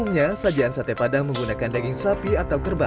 umumnya sajian sate padang menggunakan daging sapi atau kerbau